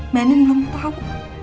mbak nin belum tau